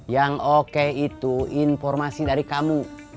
yang oke itu informasi dari kamu